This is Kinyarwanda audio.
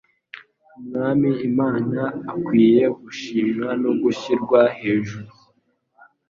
Umwami Imana akwiye gushimwa no gushirwa hejuru